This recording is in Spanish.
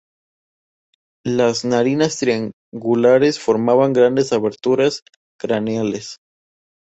La narinas triangulares formaban grandes aberturas craneales.